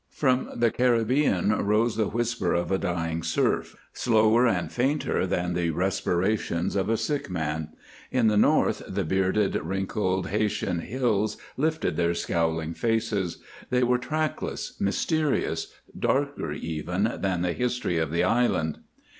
From the Caribbean rose the whisper of a dying surf, slower and fainter than the respirations of a sick man; in the north the bearded, wrinkled Haytian hills lifted their scowling faces. They were trackless, mysterious, darker even than the history of the island.